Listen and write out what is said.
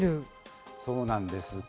そうなんです。